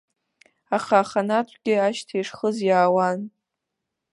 Аха аханатәгьы ашьҭа ишхыз иаауан.